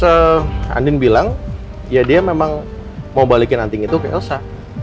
se andin bilang ya dia memang mau balikin anting itu ke elsa